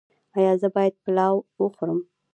ایا زه باید پلاو وخورم؟